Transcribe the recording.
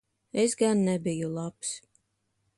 Es gan nebiju labs.